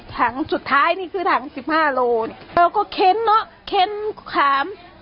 ถังสุดท้ายนี่คือถังสิบห้าโลเนี่ยเราก็เค้นเนอะเค้นถาม